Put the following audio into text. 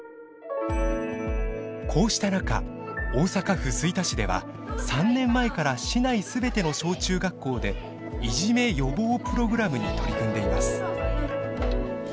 こうした中大阪府吹田市では３年前から市内全ての小中学校で「いじめ予防プログラム」に取り組んでいます。